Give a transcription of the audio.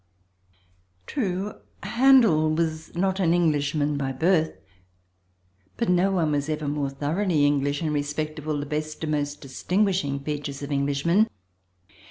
True, Handel was not an Englishman by birth, but no one was ever more thoroughly English in respect of all the best and most distinguishing features of Englishmen.